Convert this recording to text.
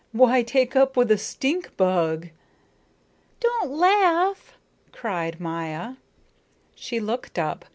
"Why take up with a stink bug?" "Don't laugh!" cried Maya. She looked up.